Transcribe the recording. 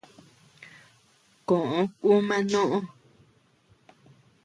Koʼö kuuma noʼö.